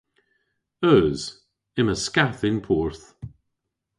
Eus. Yma skath y'n porth.